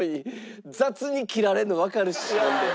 雑に切られるのわかるしほんで。